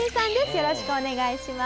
よろしくお願いします。